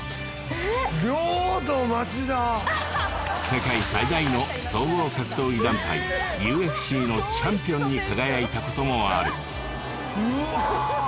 世界最大の総合格闘技団体ＵＦＣのチャンピオンに輝いたこともあるうわー